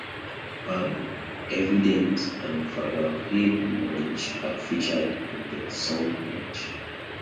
Babu, Evidence and Pharoahe Monch are featured in the song H!